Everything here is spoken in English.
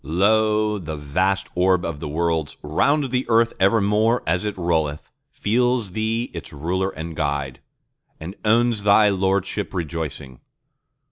Lo, the vast orb of the Worlds, round the Earth evermore as it rolleth, Feels Thee its Ruler and Guide, and owns Thy lordship rejoicing.